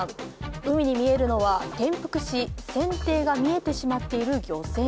海に見えるのは転覆し、船底が見えてしまっている漁船。